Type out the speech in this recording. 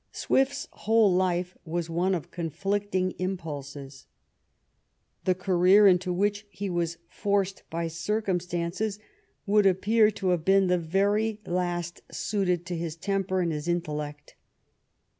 Swift's whole life was one of conflicting impulses. The career into which he was forced by circumstances would appear to have been the very last suited to his temper and his intellect.